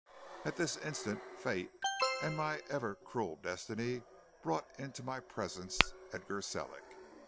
"At this instant fate and my ever cruel destiny brought into my presence Edgar Sellick.